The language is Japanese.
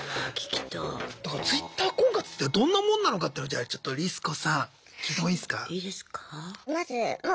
だからＴｗｉｔｔｅｒ婚活ってどんなもんなのかっていうのをじゃあちょっとリス子さん聞いてもいいっすか？